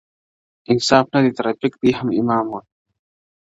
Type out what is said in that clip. انصاف نه دی ترافیک دي هم امام وي,